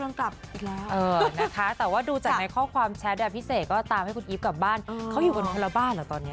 เออนะคะแต่ว่าดูจากในข้อความแชตพิเศษก็ตามให้คุณอิ๊บกลับบ้านเขาอยู่กันคนละบ้านเหรอตอนนี้